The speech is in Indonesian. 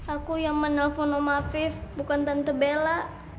aku yang menelpon om afif bukan tante bella